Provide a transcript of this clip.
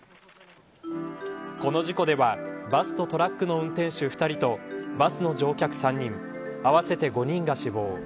この事故ではバスとトラックの運転手２人とバスの乗客３人合わせて５人が死亡。